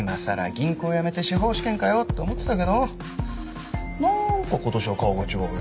銀行辞めて司法試験かよって思ってたけどなんか今年は顔が違うよ。